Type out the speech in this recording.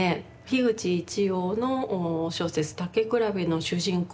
樋口一葉の小説「たけくらべ」の主人公